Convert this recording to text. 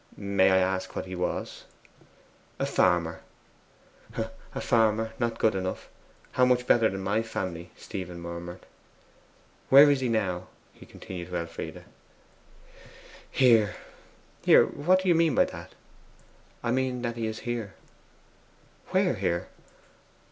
'May I ask what he was?' 'A farmer.' 'A farmer not good enough how much better than my family!' Stephen murmured. 'Where is he now?' he continued to Elfride. 'HERE.' 'Here! what do you mean by that?' 'I mean that he is here.' 'Where here?